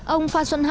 ông phan xuân hà